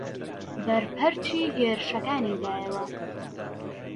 بەرپەرچی هێرشەکانی دایەوە